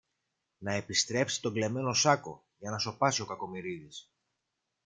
να επιστρέψει τον κλεμμένο σάκο, για να σωπάσει ο Κακομοιρίδης.